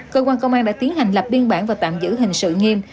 cơ quan công an đã tiến hành lập biên bản và tạm giữ hình sự nghiêm